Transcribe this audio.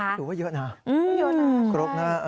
อยู่ที่ว่าเยอะนะ